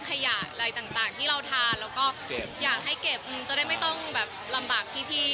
ขยะอะไรต่างที่เราทานแล้วก็อยากให้เก็บจะได้ไม่ต้องแบบลำบากพี่